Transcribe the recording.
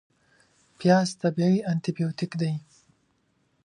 پیاز طبیعي انتي بیوټیک دی